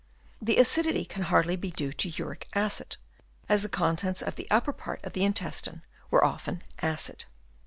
The acidity can hardly be due to uric acid, as the contents of the upper part of the intestine were often acid.